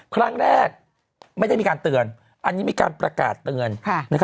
ครั้งแรกไม่ได้มีการเตือนอันนี้มีการประกาศเตือน